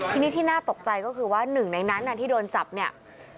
ทีนี้ที่น่าตกใจก็คือว่าหนึ่งในนั้นที่โดนจับเนี่ย